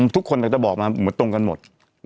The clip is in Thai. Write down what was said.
ทุกคนอาจจะบอกมาเหมือนตรงกันหมด